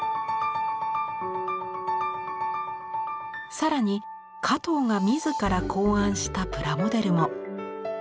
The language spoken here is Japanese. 更に加藤が自ら考案したプラモデルも。